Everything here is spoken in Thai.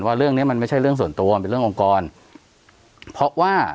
ว่าเรื่องเนี้ยมันไม่ใช่เรื่องส่วนตัวมันเป็นเรื่ององค์กรเพราะว่า